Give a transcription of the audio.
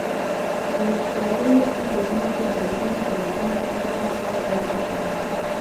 د څارویو په روزنه کې ځانګړي پاملرنه اس، اوښ او غوا ته کېده.